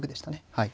はい。